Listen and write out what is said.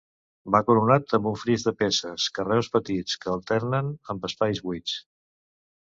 Ve coronat amb un fris de peces, carreus petits, que alternen amb espais buits.